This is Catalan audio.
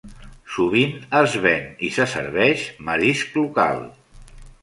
Sovint es ven i se serveix marisc local.